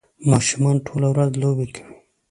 ماشومان ټوله ورځ لوبې کوي